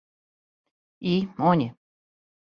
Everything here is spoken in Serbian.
И, он је.